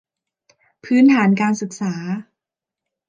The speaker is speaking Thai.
พื้นฐานการศึกษา